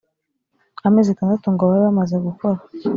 amezi atandatu ngo babe bamaze gukora